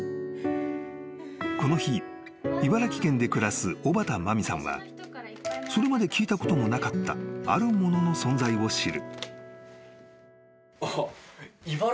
［この日茨城県で暮らす小幡麻美さんはそれまで聞いたこともなかったあるものの存在を知る］